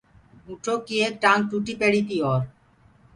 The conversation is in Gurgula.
اُنٚٺوڪي ايڪ ٽآنٚگ ٽوٽي پيڙيٚ تي اورَ